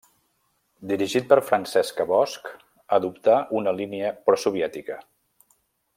Dirigit per Francesca Bosch adoptà una línia prosoviètica.